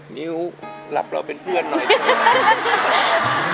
มิวหลับเราเป็นเพื่อนหน่อยเถอะ